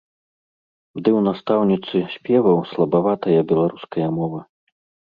Ды ў настаўніцы спеваў слабаватая беларуская мова.